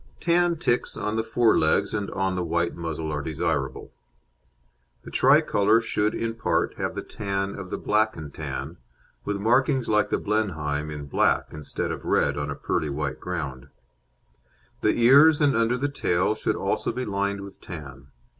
Tan ticks on the fore legs and on the white muzzle are desirable. The Tricolour should in part have the tan of the Black and Tan, with markings like the Blenheim in black instead of red on a pearly white ground. The ears and under the tail should also be lined with tan.